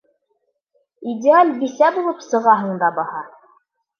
Идеаль бисә булып сығаһың да баһа!